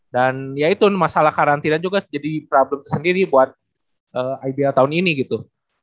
dan ya itu masalah karantina juga jadi problem tersendiri buat idea tahun ini gitu